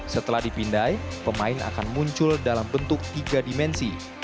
setelah dipindai pemain akan muncul dalam bentuk tiga dimensi